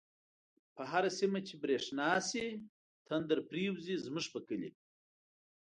په هره سیمه چی برشنا شی، تندر پریوزی زمونږ په کلی